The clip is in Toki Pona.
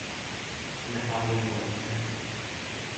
sina pali e moku seme?